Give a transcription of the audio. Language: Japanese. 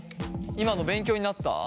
今の勉強になった？